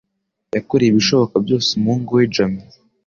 Yakoreye ibishoboka byose umuhungu we Jamie